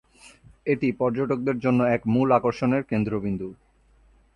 এটি পর্যটকদের জন্য এক মূল আকর্ষণের কেন্দ্রবিন্দু।